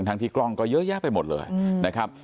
ที่กล้องก็เยอะแยะไปหมดเลยนะครับ